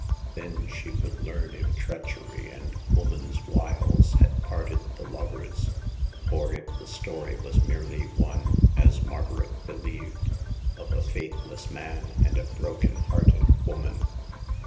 Then she would learn if treachery and woman's wiles had parted the lovers, or if the story was merely one— as Margaret believed — of a faithless man and a broken hearted woman.